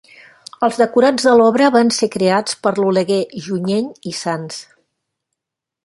Els decorats de l'obra van ser creats per l'Oleguer Junyent i Sans.